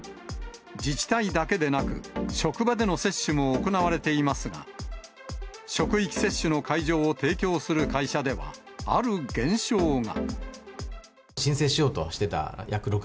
自治体だけでなく、職場での接種も行われていますが、職域接種の会場を提供する会社では、ある現象が。